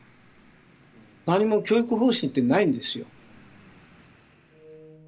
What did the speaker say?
何も教育方針ってないんですよ。